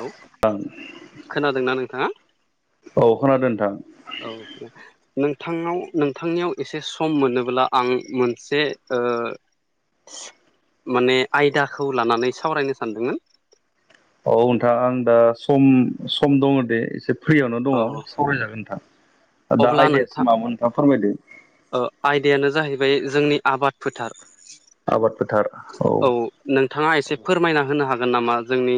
hello खोनादोंना नोंथाङा औ खोनादों नोंथां औ नोंथांनाव नोंथांनियाव एसे सम मोनोब्ला आं मोनसे ओ माने आयदाखौ लानानै सावरायनो सानदोंमोन औ नोंथां आं दा सम सम दङ दे एसे फ्रियावनो दङ औ सावरायजागोन नोंथां दा अब्ला नोंथां आयदयासो मा मोन नोंथाङा फोरमायदों ओ आयदायानो जाहैबाय जोंनि आबाद फोथार आबाद फोथार औ नोंथाङा एसे फोरमायना होनो हागोन नामा जोंनि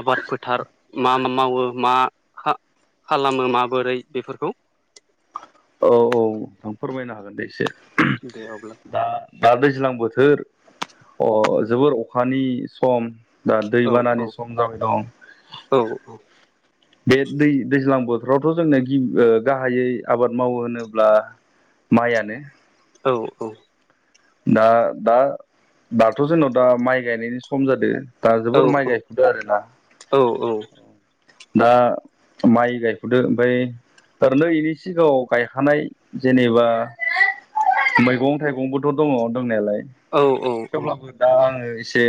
आबाद फोथार मा मा मावो मा खालामो माबोरै बेफोरखौ औ औ नोंथां फोरमायनो हागोन दे एसे दे अब्ला दा दा दैज्लां बोथोर जोबोर अखानि सम दा औ दैबानानि सम जाबाय दं औ रथ' जोंनो गि गाहायै आबाद मावो होनोब्ला माइआनो औ औ दा दा दाथ' जोंनाव दा माइ गायनायनि सम जादों दा औ जोबोर माइ गायख'दो आरो ना औ दा माइ गायफ'दो ओमफ्राय थारै नो इनि सिगाङाव गायखानाय जेनेबा मैगं थाइगंबो दङ दंनायालाय औ थेवब्लाबो दा आङो एसे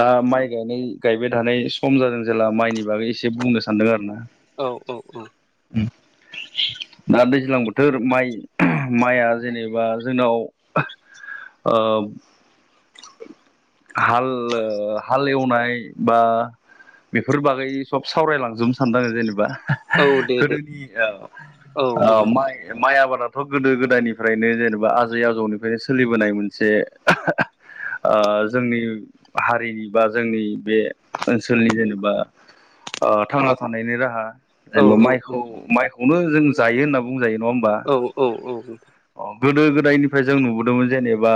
दा माइ गायनाय गायबाय थानाय सम जादों जेला माइनि बागै एसे बुंनो सानदों आरो ना औ औ औ औ दा दैज्लां बोथोर माइ माइया जेनेबा जोंनाव आओ [inaudible] हाल हाल एवनाय बा बेफोर बागै सब सावरायलांजोबनो सानदों आङो जेनेबा औ दे दे गोदोनि औ औ ओ माइ आबाद थ' गोदो गोदायनिफ्रायनो जेनेबा आजै आजौनिफ्रायनो सोलिबोनाय मोनसे ओ जोंनि हारिनि बा जोंनि बे ओनसोलनि जेनेबा ओ थांना थानायनि राहा औ जेनेबा औ औ माइखौ माइखौनो जों जायो होनना बुंजायो नङा होमबा औ औ औ नोंथां अ गोदो गोदायनिफ्राय जों नुबोदोंमोन जेनेबा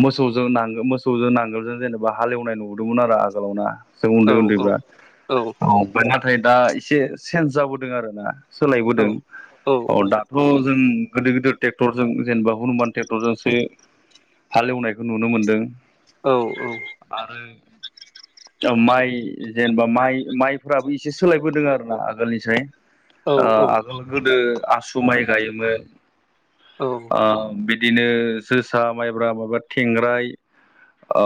मोसौजों मोसौजों नांगोलजों जेनेबा हालेव वनाय नुबोदोंमोन आरो आगोलावना जों उन्दै उन्दैबा ओमफ्राय नाथाय दा एसे चेन्ज जाबोदों आरो ना सोलायबोदों औ दाथ' जों गोदिर गिदिर ट्रेक्टरजों जेनेबा हनुमान ट्रेक्टरजोंसो हालेवनायखौ नुनो मोनदों औ औ [inaudible] ओ माइ जेनेबा माइ माइफ्राबो एसे सोलायबोदों आरोना आगोलनिसाय ओ आगोल गोदो आसु माइ गायोमोन ओ बिदिनो जोसा माइब्रा माबा थेंग्राय ओ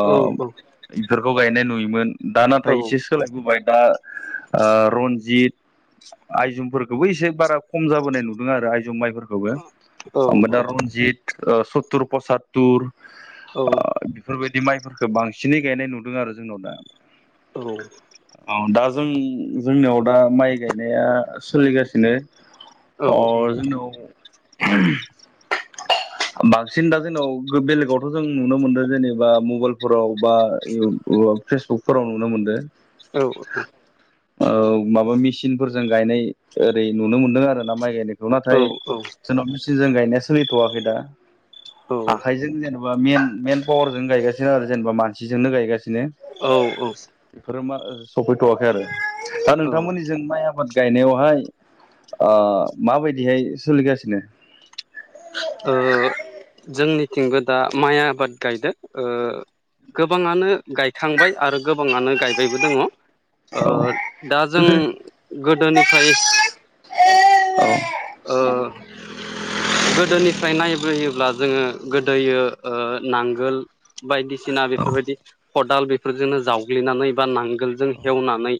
बेफोरखौ गायनाय नुयोमोन दा नाथाय एसे सोलायबोबाय दा ओ रन्जित आयजुं फोरखौबो एसे बारा खम जाबोनाय नुदों आरो आय जुम माइफोरखौबो ओमफाय दा रनजित सत्तुर पसात्तुर औ बेफोरबायदि माइफोरखो बांसिनै गायनाय नुदों आरो जोंनाव दा औ दा जों जोंनियाव दा माइ गायनाया सोलिगासिनो अ जोंनाव [inaudible] बांसिन दा जोंनाव बेलेगावथ' जों नुनो मोनदों जेनेबा मबाइलफोराव बा इउ फेसबुकफोराव नुनो मोनदो औ औ ओ माबा मेसिनफोरजों गायनाय ओरै नुनो मोनदों आरो ना माइ गायनायखौ नाथाय जोंनाव मेचिनजों गायनाया सोलिथ'वाखै दा आखाइजों जेनेबा मेन पावारजों गायगासिनो आरो जेनेबा मानसिजोंनो गायगासिनो औ औ बेफोर मा ओ सफैथ'वाखै आरो दा नोंथांमोननि जों माइ आबाद गायनायावहाय ओ माबायदिहाय सोलिगासिनो ओ जोंनिथिंबो दा माइ आबाद गायदो ओ गोबाङानो गायखांबाय आरो गोबाङानो गायबायबो दङ ओ औ दा जों औ गोदोनिफ्राय ओ गोदोनिफ्राय नायबोयोब्ला जोङो गोदोयो ओ नांगोल बायदिसिना बेफोरबायदि खदाल बेफोरजोंनो जावग्लिनानै बा नांगोलजों हेवनानै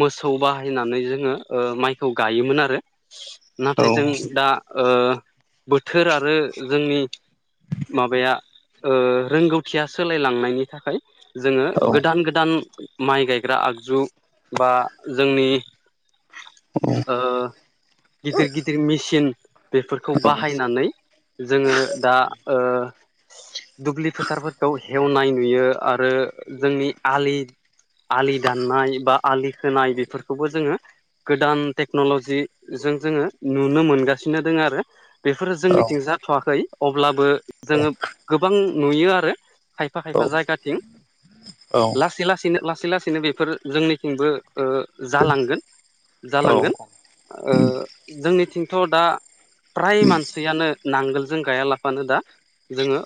मोसौ बाहायनानै जोङो ओ माइखौ गायोमोन आरो नाथाय जों दा ओ बोथोर आरो जोंनि माबाया ओ रोंगौथिया सोलायलांनायनि थाखाय जोङो गोदान गोदान माइ गायग्रा आगजु बा जोंनि ओ गिदिर गिदिर मेसिन बेफोरखौ बाहाय- नानै जोङो दा ओ दुब्लि फोथारफोरखौ हेवनाय नुयो आरो जोंनि आलि आलि दाननाय बा आलि खोनाय बेफोरखौबो जोङो गोदान टेक्न'लजिजों जोङो नुनो मोनगासिनो दोङो आरो बेफोरो जोंनिथिं जाथ'वाखै अब्लाबो जोङो गोबां नुयो आरो खायफा खायफा जायगाथिं औ लासै लासैनो लासै लासैनो बेफोर जोंनिथिंबो जालांगोन जालांगोन औ जोंनिथिंथ' दा फ्राय माने मानसियानो नांगोलजों गायालाफानो दा जोङो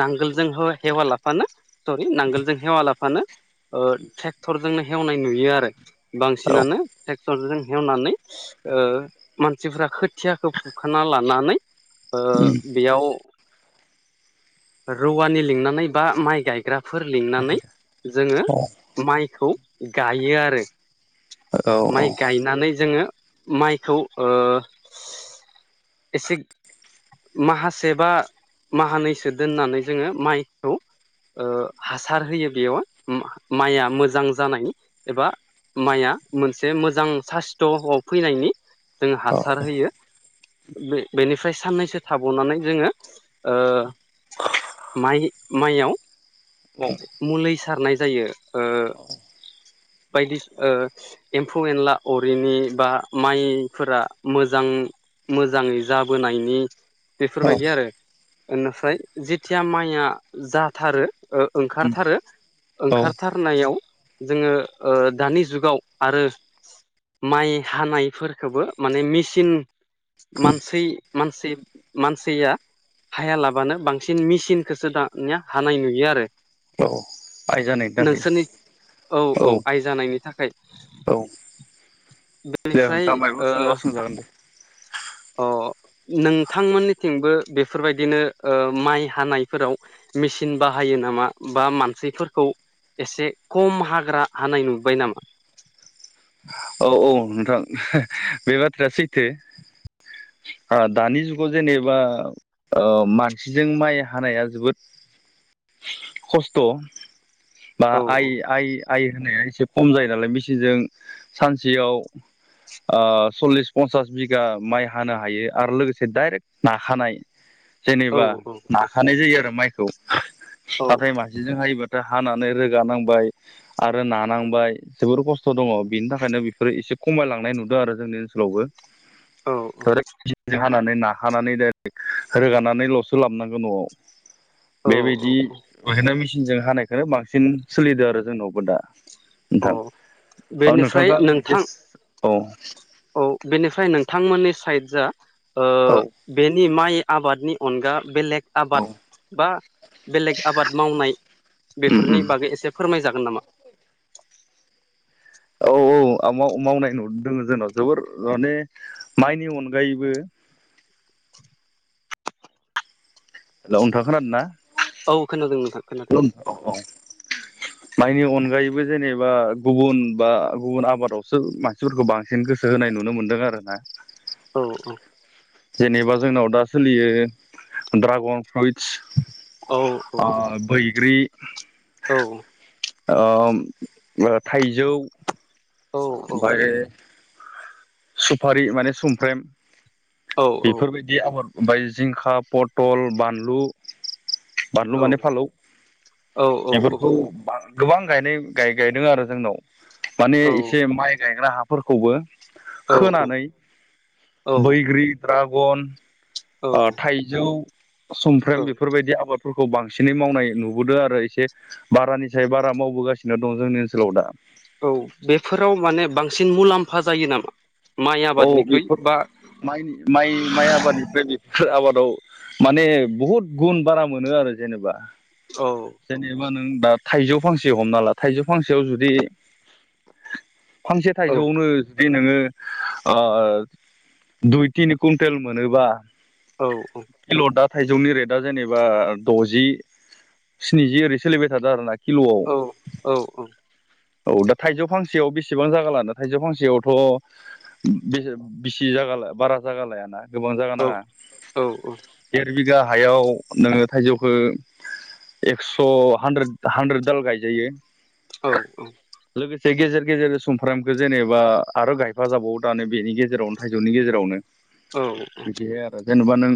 नांगोलजों हेवा लाफानो सरि नांगोलजों हेवा लाफानो ट्रेक्टरजोंनो हेवनाय नुयो आरो औ बांसिनानो ट्रेक्टरजों हेवनानै मानसिफोरा खोथि खोथियाखौ फुखाना लानानै बेयाव रुवानि लिंनानै बा माइ गायग्राफोर लिंनानै हाजिरा जोङो औ माइखौ गायो आरो औ माइ गायनानै जोङो माइखौ एसे माहासे बा माहानैैसो दोननानै जोङो माइखौ हासार होयो बेयाव माइआ मोजां जानाय एबा माइआ मोनसे मोजां साइस्थ'आव फैनायनि जों हासार होयो बे बेनिफ्राय साननैसो थाबावनानै जोङो माइ माइआव औ मुलि सारनाय जायो बायदि ओ एम्फौ एनला अआरिनि बा माइफोरा मोजां मोजाङै जाबोनायनि औ बेफोरबायदि आरो बेनिफ्राय जेथिया माइया जाथारो ओंखारथारो औ ओंखारथारनायाव जोङो दानि जुगाव आरो माइ हानायफोरखौबो माने मेसिन मानसि मानसि मानसिया हायालाबानो बांसिन मेसिनखौसो दानिया हानाय नुयो आरो औ आइ जानायनि थाखाय नोंसोरनि औ औ आइ जानायनि थाखाय जे [unintelligible] बेनिफ्राय ओ सोंजागोन जागोन दे अ नोंथांमोननिथिंबो बेफोरबायदिनो माइ हानायफोराव मेचिन बाहाय बे‌ नामा बा मानसिफोरखौ एसे खम हाग्रा हानाय नुबाय नामा [inaudible] औ औ नोंथां बे बाथ्राया सैथो दानि जुगाव जेनेबा मानसिजों माइ हानाया जोबोद खस्थ' बा औ आइ आइ आइ होनाया एसे खम जायो नालाय मेसिनजों सानसेयाव सल्लिस पन्सास बिगा माइ हानो हायो आरो लोगोसे डाइरेक्ट नाखानाय औ जेनेबा औ नाखानाय जायो आरो माइखौ औ नाथाय मासेजों हायोबा ओ हानानै रोगानांबाय आरो नानांबाय जोबोर खस्थ' दङ बेनि थाखायनो बेफोरो एसे खमायलांनाय नुदों आरो जोंनि ओनसोलावबो औ होनानै नाखानानै डाइरेक्ट रोगानानैल'सो लाबनांगौ न'आव औ औ बेबायदि ओखायनो मेसिनजों हानायखौ बांसिन सोलिदों आरो जोंनावबो दा नोंथां औ औ बेनिफ्राय नोंथांखौ आं नोंथां एसे औ औ बेनिफ्राय नोंथांमोननि साइद जा औ बेनि माइ आबादनि अनगा बेलेग आबाद बा बेलेग आबाद मावनाय बेफोरनि औ बागै एसे फोरमायजागोन नामा औ औ आ मावनाय नुदोंङजोंनाव जोबोर माने माइनि अनगायैबो [inaudible] हेलौ नोंथां खोनादोंना औ खोनादोंमोन औ माइनि अनगायैबो जेनेबा गुबुन बा गुबुन आबादावसो मानसिफोरखौ बांसिन गो गोसो होनाय नुनो मोन्दों आरो ना औ औ जेनेबा जोंनाव दा सोलियो ड्रागन फ्रुइटस औ औ आ बैग्रि औ थाइजौ औ औ बाय सुफारि माने सुमफ्रम औ बेफोरबायदि आबाद ओमफ्राय जिंखा पथल बानलु बानलु माने फालौ बेफोरखौ गोबां गायनाय गाय गायदों आरो जोंनाव माने एसे माइ गायग्रा हाफोरखौबो होनानै औ बैग्रि ड्रागन औ थाइजौ औ समुमफ्राम बेफोरबायदि आबाद फोरखौ बांसिनै मावनाय नुबोदों आरो एसे बारानिसाय बारा मावबोगासिनो दं जोंनि ओनसोलाव दा औ बेफोराव माने बांसिन मुलाम्फा जायो नामा माइ औ आबादनिख्रुइ बेफोर बा माइ माइ माइ आबादनिफ्राय बेफोर आबाद माने बुहुत गुन बारा मोनो आरो जेनेबा औ जेनेबा नों दा थाइजौ फांसे हमना ला थाइजौ फांसेयाव जुदि फांसे औ थाइजौआवनो नोङो दुइ तिन कुइन्टेल मोनोबा औ औ किल' दा थाइजौनि रेटआ जेनेबा द'जि स्निजि ओरै सोलिबाय थादों आरो नखि खिल'आव औ औ औ दा थाइजौ फांसेयाव बेसेबां जागोन लाना थाइजौ फांसेयावथ' बे बिसि जागाला बारा जागा औ लायाना औ देर बिगा हायाव नोङो थाइजौखौ एक्स' हानद्रेद हानद्रेद दाल गायजायो औ औ लोगोसे गेजेर गेजेर सुमफ्रामखौ जेनेबा आरो गायफा जाबावो दानो बेनि गेजेरावनो थाइजौनि गेजेरावनो औ औ बिदि आरो जेनेबा नों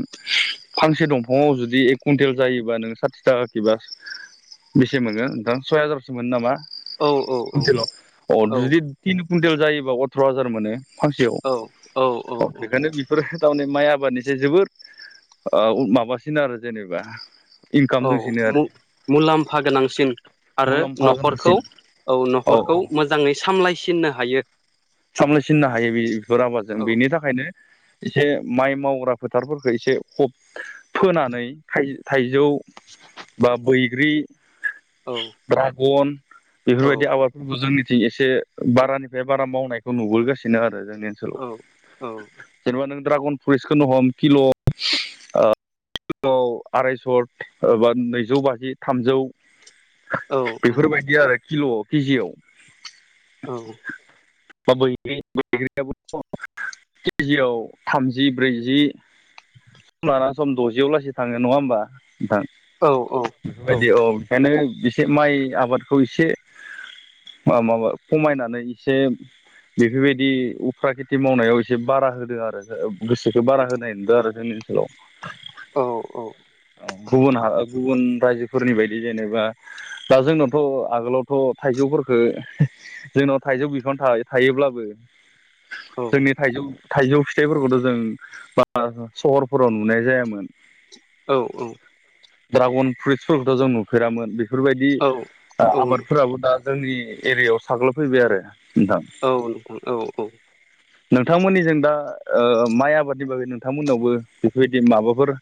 फांसे दंफाङाव जुदि एक कुइिन्टेल जायोबा नों साथि थाखा बास बेसे मोनगोन नोंथां सय हाजारसो मोनो नामा कुइन्टेलाव अ जुदि तिन कुन्टेल जायोबा अथ्र' हाजार मोनो फांसेयाव औ बेखायनो बेफोरो थारान माइ आबादनिस जोबोद ओ माबासिन आरो जेनेबा इनकाम द मुलाम्फा गोनांसिन आरो मुलाम्फा न'खरखौ गोनांसिन औ न'खरखौ मोजाङै सामलायसिननो हायो सामलायसिननो हायो बे बेफोर आबादजों औ बेनि थाखायनो एसे माइ मावग्रा फोथारफोरखौ एसे खब फोनानै थाइजौ बा बैग्रि औ ड्रागन औ बेफोरबायदि आबादफोरखौ जों एसे बारानिफ्राय बारा मावनायखौ नुबोगासिनो आरो जोंनि ओन्सोलाव औ जेनेबा नों ड्रागन फुरिसटखौनो हम किल' आरायस' एबा नैजौ बाजि थामजौ औ औ बेफोरबायदि आरो किल' केजियाव औ दा बैग्रि बैग्रियाबोथ' केजियाव थामजि ब्रैजि सम लानानानै सम दजियाव लासै थाङो नङा होमबा नोंथां औ औ बेफोरबायदि औ बेखायनो एसे माइ आबादखौ एसे ओ माबा खमायनानै इसे बेफोरबायदि उफ्रा खेथि मावनायाव एसे बारा होदो आरो ओ गोसोखौ बारा होनाय नुदो आरो जोंनि हेलौ ओ गुबुन हा गुबुन रायजोफोरनि बायदि जेनेबा दा जोंनाथ' आगोलावथ' थाइजौफोरफोरखो जोंनाव थाइजौ बिफां थाय थायोब्लाबो औ जोंनि थाइजौ थाइजौ फिथाइफोरखौथ' जों बारा सहरफोराव नुनाय जायामोन औ ड्रागन फ्रुइट्सफोरखौथ' जों नुफेरामोन बेफोरबायदि औ ओ औ आबादफोराबो दा जोंनि एरियायाव साग्लोबफैबाय आरो नोंथां औ नोंथां औ औ नोंथांमोननिजों दा ओ माइ आबादनि बागै नोंथांमोननावबो बेफोरबायदि माबाफोर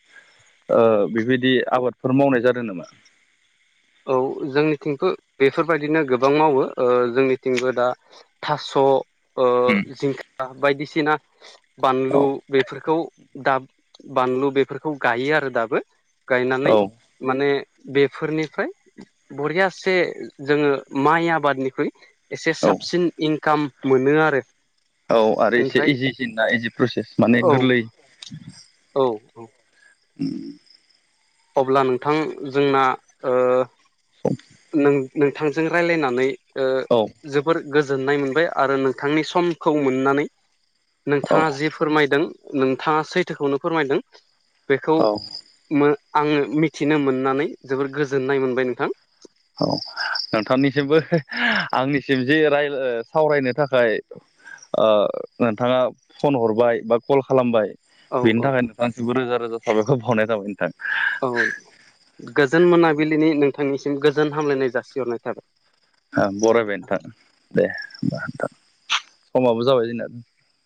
ओ बेबायदि आबादफोर मावनाय जादों नामा औ जोंनिथिंबो बेफोरबायदिनो गोबां मावो ओ जोंनिथिंबो दा थास' ओ उम जिंखा बायदिसिना औ बानलु बेफोरखौ दाब बानलु बेफोरखौ गायो आरो दाबो औ गायनानै माने बेफोरनिफ्राय बरियासे जोङो माइ आबादनिख्रुइ एसे औ साबसिन इनकाम मोनो आरो औ आरो इसे ओमफ्राय इजिसिनना इजि प्रसेस माने औ गोरलै औ औ उम अब्ला नोंथां जोंना ओ सम नों नोंथांजों रायलायनानै ओ औ जोबोर गो- जोननाय मोनबाय आरो नोंथांनि समखौ मोननानै औ नोंथाङा जि फोरमायदों नोंथाङा सैथोखौनो फोरमायदों बेखौ औ मो आङो मिथिनो मोननानै जोबोर गोजोननाय मोनबाय नोंथां औ नोंथांनिसिमबो आंनि सिम जि राय ओ सावरायनो थाखाय ओ नोंथाङा फन हरबाय बा कल औ बेनि औ थाखाय नोंथांनिसिमबो रोजा रोजा साबायखर बावनाय थाबाय नोंथां औ गोजोन मोनाबिलिनि नोंथांनिसिम गोजोन हामलायनाय जासिहरनाय थाबाय ओं बरायबाय नोंथां दे होमबा नोंथां समाबो जाबाय जोंना